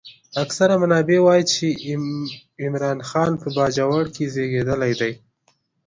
اکثر منابع وايي چې عمرا خان په باجوړ کې زېږېدلی دی.